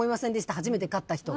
初めて買った人。